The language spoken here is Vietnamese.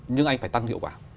nhưng anh phải tăng hiệu quả